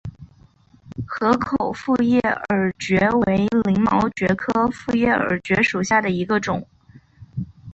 河口复叶耳蕨为鳞毛蕨科复叶耳蕨属下的一个种。